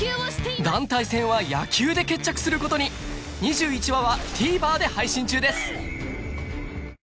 団体戦は野球で決着することに２１話は「ＴＶｅｒ」で配信中です